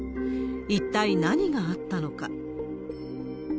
一体何があったのか。